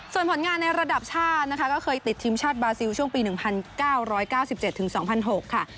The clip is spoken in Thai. ส่วนผลงานในระดับชาตินะคะก็เคยติดทีมชาติบาซิลช่วงปี๑๙๙๗ถึง๒๐๐๖ค่ะ